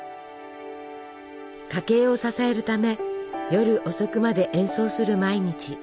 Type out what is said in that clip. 家計を支えるため夜遅くまで演奏する毎日。